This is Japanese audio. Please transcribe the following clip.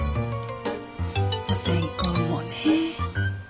お線香もねえ。